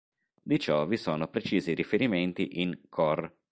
Di ciò vi sono precisi riferimenti in "Cor.